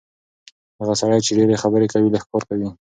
هغه سړی چې ډېرې خبرې کوي، لږ کار کوي.